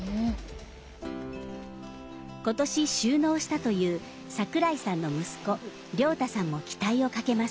今年就農したという桜井さんの息子亮太さんも期待をかけます。